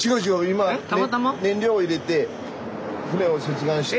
今燃料入れて船を切断して。